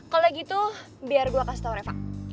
kalau gitu biar gue kasih tau reva